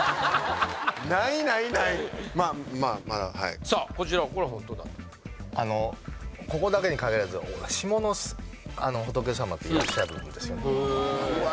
まあまだはいさあこちらこれホントだとここだけに限らず下の仏様っていらっしゃるんですよ